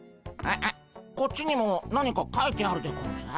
こっちにも何かかいてあるでゴンス。